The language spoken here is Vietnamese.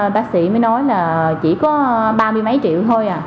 bác sĩ mới nói là chỉ có ba mươi mấy triệu thôi